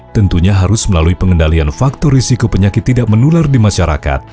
tentunya harus melalui pengendalian faktor risiko penyakit tidak menular di masyarakat